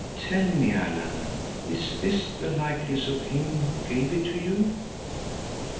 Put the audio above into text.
Tell me, Allan, is this the likeness of him who gave it to you?"